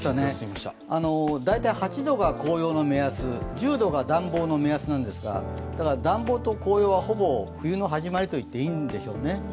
大体８度が紅葉の目安、１０度が暖房の目安なんですがだから暖房と紅葉はほぼ冬の始まりといっていいんでしょうね。